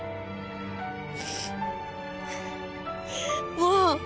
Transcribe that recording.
もう！